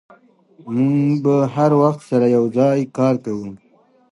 موږ به هر وخت سره یوځای کار وکړو.